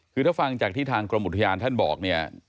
คือถ้าฟังจากที่ทางกรมอุทยานท่านบอกเนี่ย